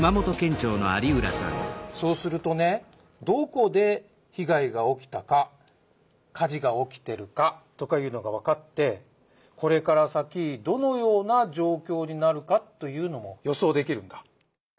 そうするとねどこで被害が起きたか火事が起きてるかとかいうのがわかってこれから先どのような状況になるかというのも予想できるんだ。